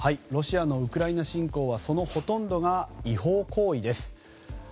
ロシアのウクライナ侵攻はそのほとんどが違法行為です。